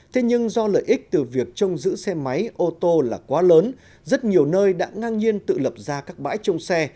thế nhưng do lợi ích từ việc trông giữ xe máy ô tô là quá lớn rất nhiều nơi đã ngang nhiên tự lập ra các bãi trông xe